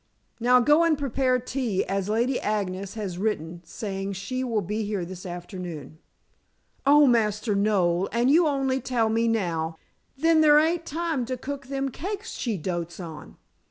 Now, go and prepare tea, as Lady Agnes has written saying she will be here this afternoon." "Oh, Master Noel, and you only tell me now. Then there ain't time to cook them cakes she dotes on."